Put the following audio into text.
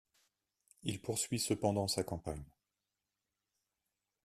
Il poursuit cependant sa campagne.